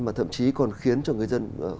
mà thậm chí còn khiến cho người dân